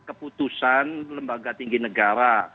keputusan lembaga tinggi negara